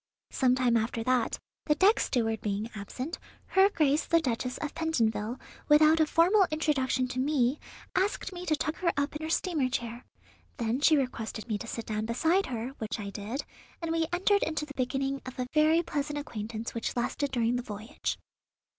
Some time after that, the deck steward being absent, her Grace the Duchess of Pentonville, without a formal introduction to me, asked me to tuck her up in her steamer chair; then she requested me to sit down beside her, which I did, and we entered into the beginning of a very pleasant acquaintance which lasted during the voyage."